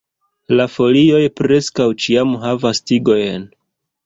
La folioj preskaŭ ĉiam havas tigojn.